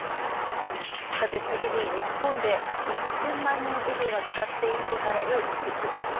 次に日本で１０００万人以上が使っているとされるＴｉｋＴｏｋ。